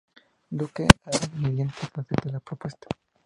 Duke, a regañadientes, acepta la propuesta.